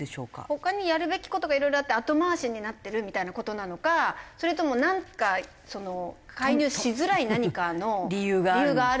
他にやるべき事がいろいろあって後回しになってるみたいな事なのかそれともなんか介入しづらい何かの理由があるのかっていう事。